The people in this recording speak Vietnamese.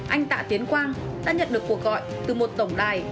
anh tạ tiến quang đã nhận được cuộc gọi từ một tổng đài